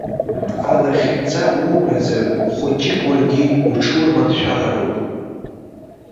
Алахьынҵа уоуразы хәыҷык уаргьы уҽурманшәалароуп!